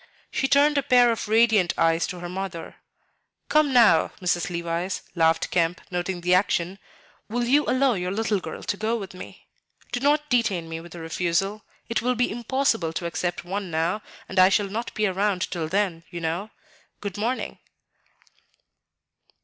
She turned a pair of radiant eyes to her mother. "Come now, Mrs. Levice," laughed Kemp, noting the action, "will you allow your little girl to go with me? Do not detain me with a refusal; it will be impossible to accept one now, and I shall not be around till then, you know. Good morning."